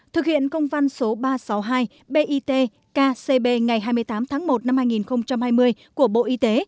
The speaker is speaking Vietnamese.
thực hiện công văn số ba trăm sáu mươi hai bit kcb ngày hai mươi tám tháng một năm hai nghìn hai mươi của bộ y tế